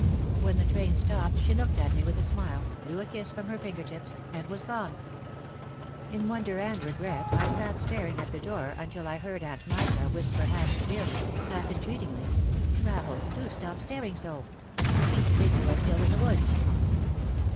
When the train stopped she looked at me with a smile, blew a kiss from her finger tips, and was gone. In wonder and regret I sat staring at the door until I heard Aunt Masha whisper half severely, half entreat ingly, "Rahel, do stop staring so. You seem to think you are still in the woods."